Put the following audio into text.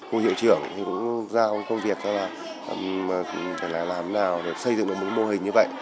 cô hiệu trưởng cũng giao công việc ra là làm thế nào để xây dựng được mô hình như vậy